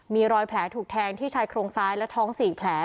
มีรอยแผลถูกแทงที่ชายโครงซ้ายและท้อง๔แผล